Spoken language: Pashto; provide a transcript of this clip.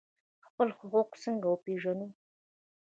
خپل حقوق څنګه وپیژنو؟